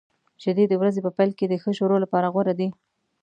شیدې د ورځې په پیل کې د ښه شروع لپاره غوره دي.